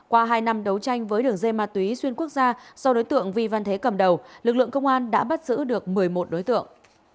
qua hai năm đấu tranh với đường dây ma túy xuyên quốc gia do đối tượng vi văn thế cầm đầu lực lượng công an đã bắt giữ được một mươi một đối tượng